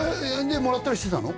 でもらったりしてたの？